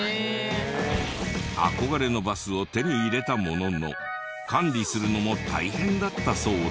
憧れのバスを手に入れたものの管理するのも大変だったそうで。